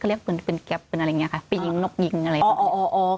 ก็เรียกปืนปืนแก๊ปปืนอะไรอย่างเงี้ยค่ะปืนยิงนกยิงอะไรอย่างเงี้ย